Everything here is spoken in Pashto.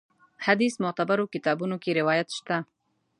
حدیث معتبرو کتابونو کې روایت شته.